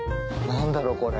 何だろう？